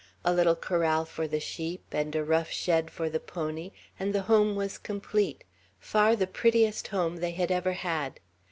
A little corral for the sheep, and a rough shed for the pony, and the home was complete: far the prettiest home they had ever had.